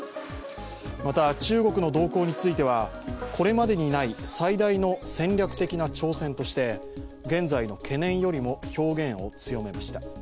また、中国の動向については、これまでにない最大の戦略的な挑戦として、現在の懸念よりも表現を強めました。